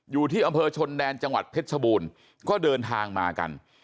อยู่ที่อำเภอชนแดนจังหวัดเพชรชบูรณ์ก็เดินทางมากัน